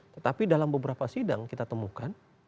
tetapi dalam beberapa sidang kita temukan